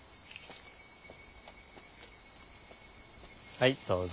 はいどうぞ。